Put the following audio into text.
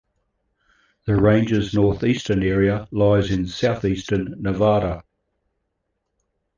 The range's northeastern area lies in southeastern Nevada.